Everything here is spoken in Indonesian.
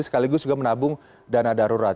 sekaligus juga menabung dana darurat